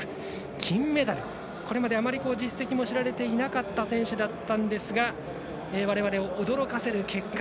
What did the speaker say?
金メダル、これまであまり実績を知られていなかった選手ですがわれわれを驚かせる結果。